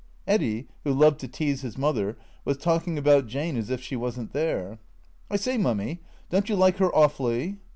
Eddy, who loved to tease his mother, was talking about Jane as if she was n't there. " I say. Mummy, don't you like her awfully